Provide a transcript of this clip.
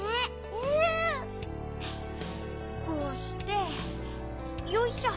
こうしてよいしょ。